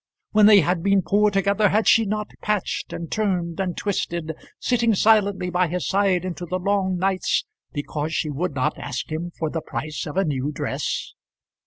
When they had been poor together, had she not patched and turned and twisted, sitting silently by his side into the long nights, because she would not ask him for the price of a new dress?